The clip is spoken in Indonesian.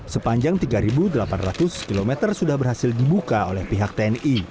sepanjang tiga delapan ratus km sudah berhasil dibuka oleh pihak tni